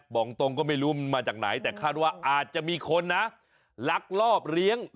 บอกตรงก็ไม่รู้มันมาจากไหนแต่คาดว่าอาจจะมีคนนะลักลอบเลี้ยง